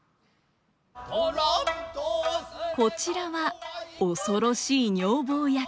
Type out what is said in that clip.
こちらは恐ろしい女房役。